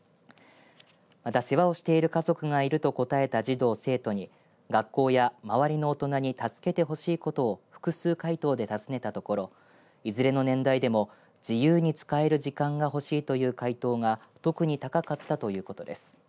また、世話をしている家族がいると答えた児童、生徒に学校や周りの大人に助けてほしいことを複数回答で尋ねたところいずれの年代でも自由に使える時間がほしいという回答が特に高かったということです。